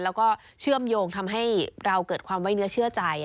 แล้วก็เชื่อมโยงทำให้เราเกิดความไว้เนื้อเชื่อใจ